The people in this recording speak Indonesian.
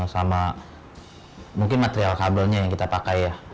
sama mungkin material kabelnya yang kita pakai ya